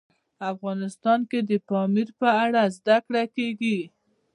افغانستان کې د پامیر په اړه زده کړه کېږي.